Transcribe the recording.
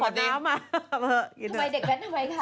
มาทำไมเด็กแว้นทำไมคะ